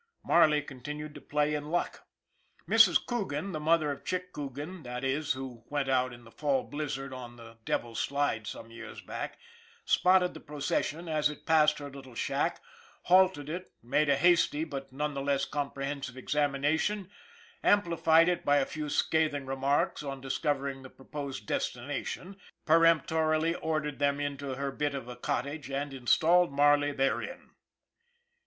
Marley continued to play in luck. Mrs. Coogan, the mother of Chick Coogan, that is, who went out in the Fall blizzard on the Devil's Slide some years before, spotted the procession as it passed her little shack, halted it, made a hasty, but none the less comprehen sive, examination, amplified it by a few scathing re marks on discovering the proposed destination, per emptorily ordered them into her bit of a cottage and installed Marley therein.